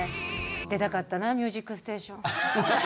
出たかったな「ミュージックステーション」。